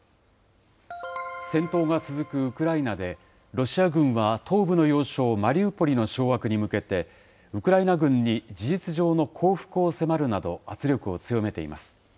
戦闘が続くウクライナで、ロシア軍は東部の要衝、マリウポリの掌握に向けて、ウクライナ軍に事実上の降伏を迫るなど、圧力を強めています。